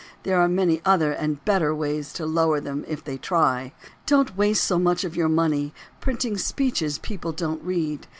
There are many other and better ways To lower them if they try. Don't waste so much of your money Printing speeches people don't read.